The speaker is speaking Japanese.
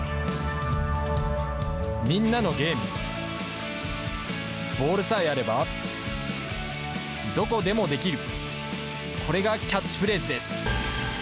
みんなのゲーム、ボールさえあれば、どこでもできる、これがキャッチフレーズです。